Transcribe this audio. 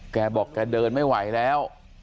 แกบอกแกเดินไม่ไหวแล้ว